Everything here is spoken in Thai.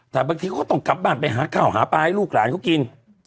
แต่บางทีเขาก็ต้องกลับบ้านไปหาข้าวหาปลาให้ลูกหลานเขากิน